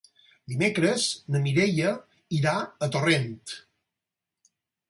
Dimecres na Mireia irà a Torrent.